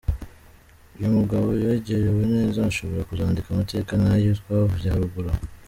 Uyu mugabo yegerewe neza ashobora kuzandika amateka nk’ayo twavuze haruguru aho.